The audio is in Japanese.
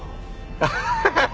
アハハハハ！